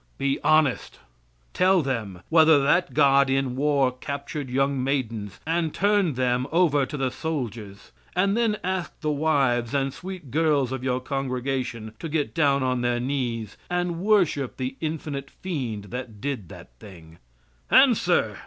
Be honest. Tell them whether that God in war captured young maidens and turned them over to the soldiers; and then ask the wives and sweet girls of your congregation to get down on their knees and worship the infinite fiend that did that thing. Answer!